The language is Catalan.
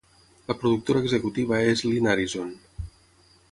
La productora executiva és Lin Arison.